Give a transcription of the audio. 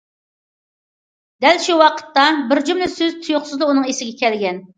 دەل شۇ ۋاقىتتا، بىر جۈملە سۆز تۇيۇقسىزلا ئۇنىڭ ئېسىگە كەلگەن.